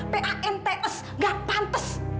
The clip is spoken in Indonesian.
pantes gak pantes